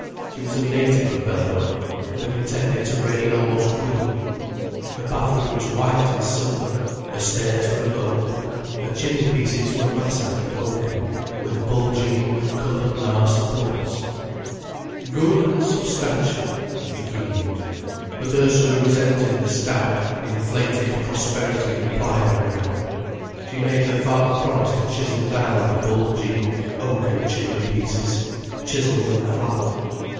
She was a native of Beldover, and had intended to reign almost queen. Her bathroom was white and silver, her stairs were of oak, her chimney pieces were massive and oaken, with bulging, columnar supports. "Good and substantial," was the keynote. But Ursula resented the stout, inflated prosperity implied everywhere. She made her father promise to chisel down the bulging oaken chimney pieces, chisel them flat.